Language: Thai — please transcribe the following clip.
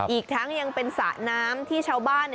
อีกทั้งยังเป็นสระน้ำที่ชาวบ้าน